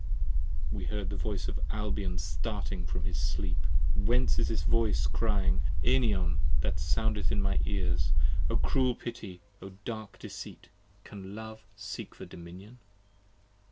We heard the voice of Albion starting from his sleep: Whence is this voice crying, Enion! that soundeth in my ears? 60 O cruel pity! O dark deceit! can love seek for dominion?